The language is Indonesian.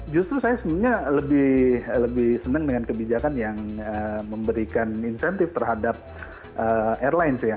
justru saya sebenarnya lebih senang dengan kebijakan yang memberikan insentif terhadap airlines ya